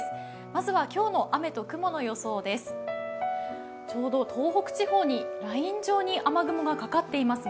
まずは今日の雨と雲の予想です。